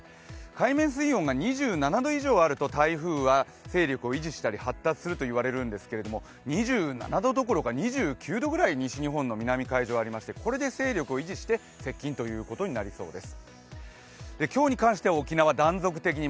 海面水温が２７度以上あると台風は勢力を維持したり発達するといわれるんですけれども２７度どころか２９度くらい西日本の海上はありまして、これで勢力を維持して接近ということになりそうです。